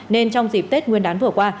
nên trong dịp tết nguyên đán vừa qua